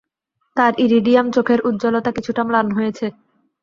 তার ইরিডিয়াম চোখের উজ্জ্বলতা কিছুটা ম্লান হয়েছে।